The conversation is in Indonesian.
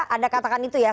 anda katakan itu ya